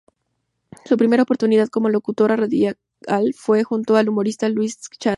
Su primera oportunidad como locutora radial fue junto al humorista Luis Chataing.